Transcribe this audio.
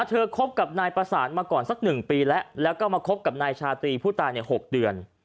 คบกับนายประสานมาก่อนสัก๑ปีแล้วแล้วก็มาคบกับนายชาตรีผู้ตายใน๖เดือน